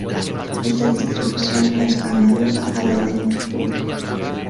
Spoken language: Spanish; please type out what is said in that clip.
Esta distribución es análoga a la del mercurio.